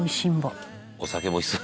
「お酒もおいしそう」